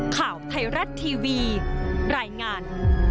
ข่าวไทยรัฐทีวีรายงาน